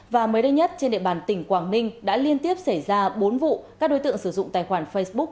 và mới đây nhất trên địa bàn tỉnh quảng ninh đã liên tiếp xảy ra bốn vụ các đối tượng sử dụng tài khoản facebook